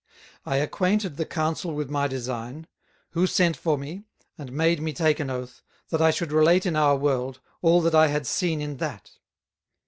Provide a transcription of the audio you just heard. I acquainted the Council with my design; who sent for me, and made me take an Oath, that I should relate in our World, all that I had seen in that.